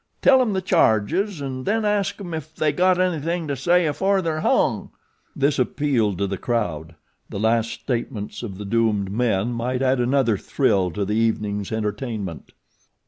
Tell 'em the charges, an' then ask 'em ef they got anything to say afore they're hung." This appealed to the crowd the last statements of the doomed men might add another thrill to the evening's entertainment.